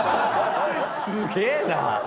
すげえな！